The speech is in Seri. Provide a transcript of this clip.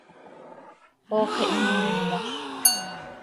Ox ihmmimoz.